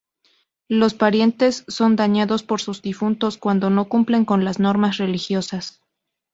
Los parientes son dañados por sus difuntos cuando no cumplen con las normas religiosas.